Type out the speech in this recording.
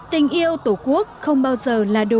tình yêu tổ quốc không bao giờ là đủ